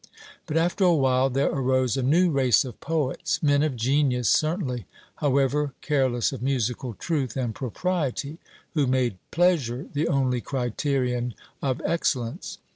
But after a while there arose a new race of poets, men of genius certainly, however careless of musical truth and propriety, who made pleasure the only criterion of excellence.